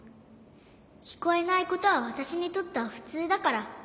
きこえないことはわたしにとってはふつうだから。